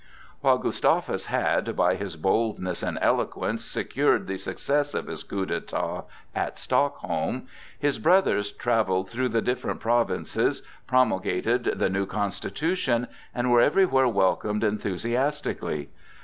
While Gustavus had, by his boldness and eloquence, secured the success of his coup d'état at Stockholm, his brothers travelled through the different provinces, promulgated the new constitution, and were everywhere welcomed enthusiastically.